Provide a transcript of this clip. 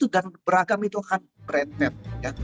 dan beragam itu akan berendah